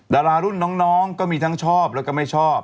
ดารารุ่นน้องก็มีทั้งชอบแล้วก็ไม่ชอบ